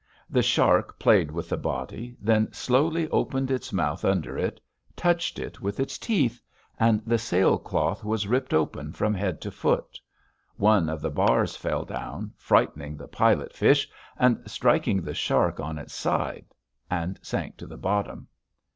The shark played with the body, then slowly opened its mouth under it, touched it with its teeth, and the sail cloth was ripped open from head to foot; one of the bars fell out, frightening the pilot fish and striking the shark on its side, and sank to the bottom.